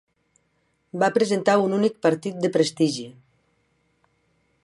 Va presentar un únic partit de prestigi.